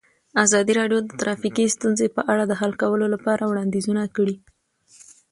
ازادي راډیو د ټرافیکي ستونزې په اړه د حل کولو لپاره وړاندیزونه کړي.